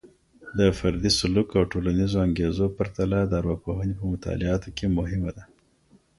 د فردي سلوک او ټولنیزو انګیزو پرتله د ارواپوهني په مطالعاتو کي مهمه ده.